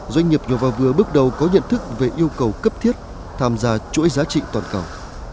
doanh nghiệp nhỏ và vừa bước đầu có nhận thức về yêu cầu cấp thiết tham gia chuỗi giá trị toàn cầu